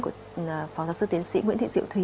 của phó giáo sư tiến sĩ nguyễn thị diệu thúy